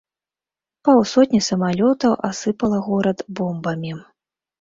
Паўсотня самалётаў асыпала горад бомбамі.